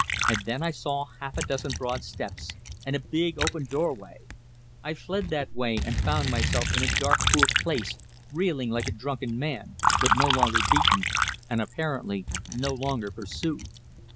And then I saw half a dozen broad steps, and a big open doorway; I fled that way, and found myself in a dark, cool place, reeling like a drunken man, but no longer beaten, and apparently no longer pursued.